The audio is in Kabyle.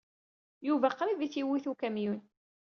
Yuba qrib ay t-iwit ukamyun.